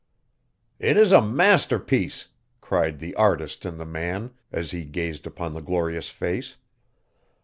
"It is a masterpiece!" cried the artist in the man, as he gazed upon the glorious face.